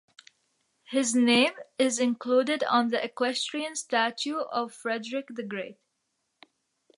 His name is included on the Equestrian statue of Frederick the Great.